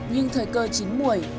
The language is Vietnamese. nhưng thời cơ chính mùi